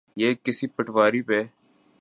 نہ کسی پٹواری پہ۔